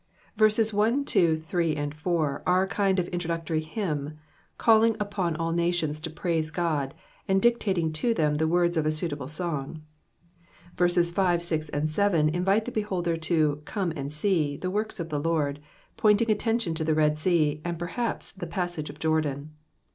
Verses 1, 2, 3, 4 are a kind of introductory hymn, calling upon all nations to praise God, and dictating to (hem the words oj a suitable song. Verses 5, 6, 7 invite the beholder to "Come and see" Vie works of the Loi'd, pointing alteniion tp the Bed Sea, and perhaps Vie passage of Jordan.